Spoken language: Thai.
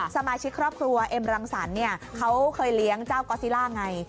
สมาชิกครอบครัวเอ็มรังสรรค์เนี่ยเขาเคยเลี้ยงเจ้าก๊อซิล่าไง